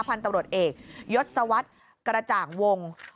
พันธุ์ตำรวจเอกยศวรรษกระจ่างวง